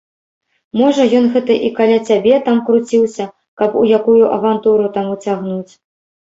Можа, ён гэта і каля цябе там круціўся, каб у якую авантуру там уцягнуць.